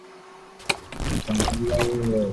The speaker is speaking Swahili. moon ametoa wito huo kwa mataifa yanayo jiweza ulimwenguni